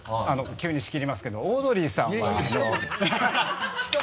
急に仕切りますけどオードリーさんはあの。